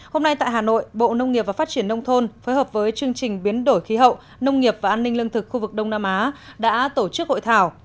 hôm nay tại hà nội bộ nông nghiệp và phát triển nông thôn phối hợp với chương trình biến đổi khí hậu nông nghiệp và an ninh lương thực khu vực đông nam á đã tổ chức hội thảo